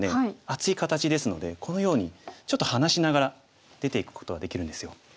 厚い形ですのでこのようにちょっと離しながら出ていくことができるんですよ。